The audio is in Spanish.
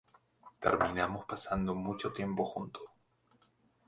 Terminamos pasando mucho tiempo junto.